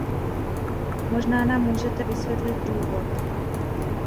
Možná nám můžete vysvětlit důvod.